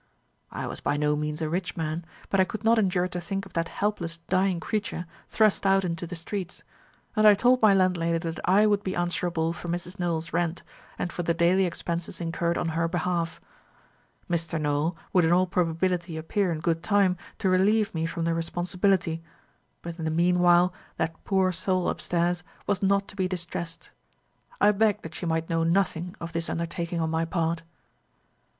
"I was by no means a rich man; but I could not endure to think of that helpless dying creature thrust out into the streets; and I told my landlady that I would be answerable for Mrs. Nowell's rent, and for the daily expenses incurred on her behalf. Mr. Nowell would in all probability appear in good time to relieve me from the responsibility, but in the mean while that poor soul upstairs was not to be distressed. I begged that she might know nothing of this undertaking on my part.